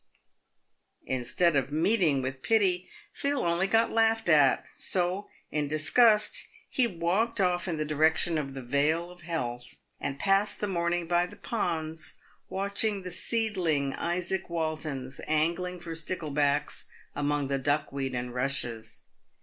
Instead of meeting with pity, Phil only got laughed at ; so, in disgust, he walked off in the direction of the Vale of Health, and passed the morn ing by the ponds, watching the seedling Izaac Waltons angling for sticklebacks among the duckweed and rushes.